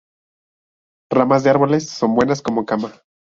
Ramas de árboles son buenas como cama.